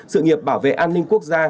sự nghiệp bảo vệ an ninh quốc gia